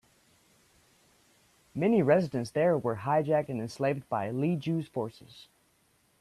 Many residents there were hijacked and enslaved by Li Jue's forces.